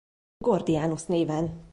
Gordianus néven.